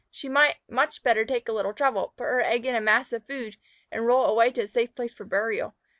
She might much better take a little trouble, put her egg in a mass of food, and roll it away to a safe place for burial.